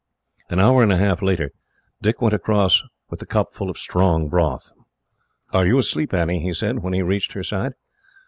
An hour and a half later, Dick went across with the cup full of strong broth. "Are you asleep, Annie?" he said, when he reached her side.